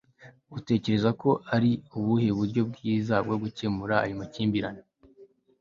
utekereza ko ari ubuhe buryo bwiza bwo gukemura ayo makimbirane